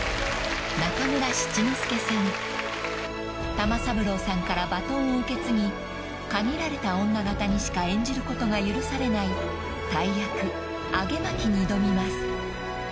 ［玉三郎さんからバトンを受け継ぎ限られた女形にしか演じることが許されない大役揚巻に挑みます］